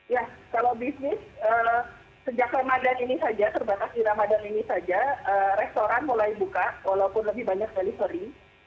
ya kalau bisnis sejak ramadan ini saja terbatas di ramadan ini saja restoran mulai buka walaupun lebih banyak delivery